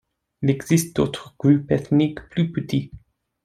Il existe d'autres groupes ethniques plus petits.